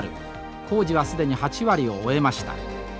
工事は既に８割を終えました。